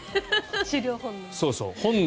狩猟本能。